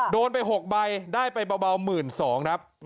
โดนไป๖ใบได้ไปเบา๑๒๐๐บาทครับ